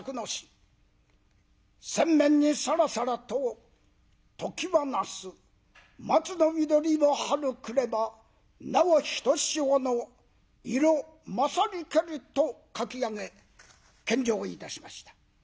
扇面にさらさらと「ときはなす松のみどりも春くればなおひとしほの色まさりけり」と書き上げ献上いたしました。